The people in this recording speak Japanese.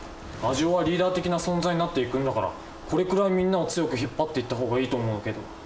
アジオはリーダー的な存在になっていくんだからこれくらいみんなを強く引っ張っていった方がいいと思うけど。